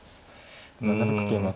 ７六桂馬。